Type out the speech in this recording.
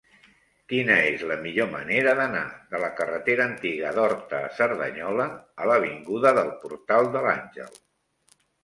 Quina és la millor manera d'anar de la carretera Antiga d'Horta a Cerdanyola a l'avinguda del Portal de l'Àngel?